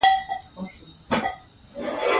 ډيموکراټ یوازي دنیا هدف ګڼي.